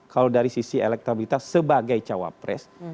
kalau dari sisi elektabilitas sebagai cawapres